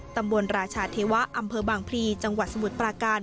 ราชาเทวะอำเภอบางพลีจังหวัดสมุทรปราการ